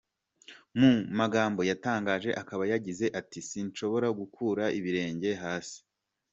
Mu magambo yatangaje akaba yagize ati: “Sinshobora gukura ibirenge hasi”.